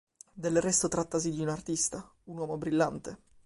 Del resto trattasi di un artista, un uomo brillante.